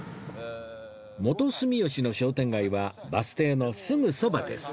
元住吉の商店街はバス停のすぐそばです